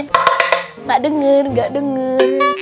nggak denger nggak denger